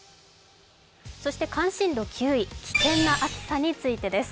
関心度９位、危険な暑さについてです。